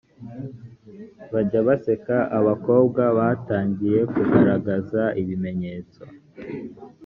bajya baseka abakobwa batangiye kugaragaza ibimenyetso